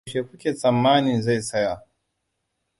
Yaushe ku ke tsammanin zai tsaya?